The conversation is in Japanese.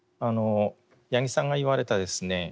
八木さんが言われたですね